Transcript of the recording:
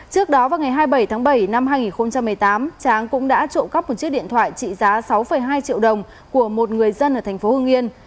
trước đó vào ngày hai mươi bảy tháng bảy năm hai nghìn một mươi tám tráng cũng đã trộm cắp một chiếc điện thoại trị giá sáu hai triệu đồng của một người dân ở thành phố hưng yên